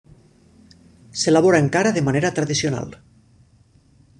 S'elabora encara de manera tradicional.